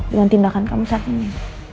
dengan tindakan kamu saat ini